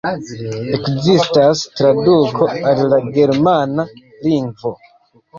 Ekzistas traduko al la germana lingvo.